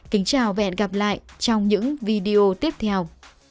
kính chào và hẹn gặp lại trong những video tiếp theo